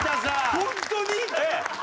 ホントに？